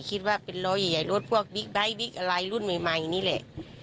คิดว่าเป็นล้อใหญ่รถพวกบิ๊กไบท์บิ๊กอะไรรุ่นใหม่นี่แหละ